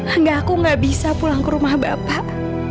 enggak aku gak bisa pulang ke rumah bapak